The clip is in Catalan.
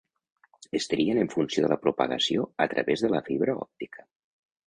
Es trien en funció de la propagació a través de la fibra òptica.